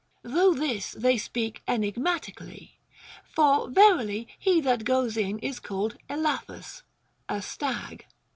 Though this they speak enigmatically; for verily he that goes in is called Elaphus, a stag.